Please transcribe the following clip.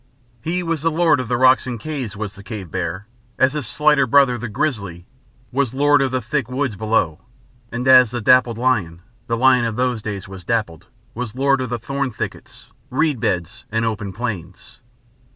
He was the lord of the rocks and caves, was the cave bear, as his slighter brother, the grizzly, was lord of the thick woods below, and as the dappled lion the lion of those days was dappled was lord of the thorn thickets, reed beds, and open plains.